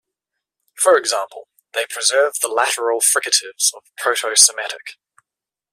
For example, they preserve the lateral fricatives of Proto-Semitic.